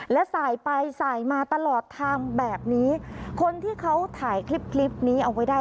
และสายไปสายมาตลอดทางแบบนี้คนที่เขาถ่ายคลิปคลิปนี้เอาไว้ได้